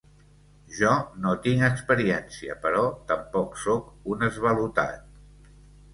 Jo no tinc experiència, però tampoc soc un esvalotat.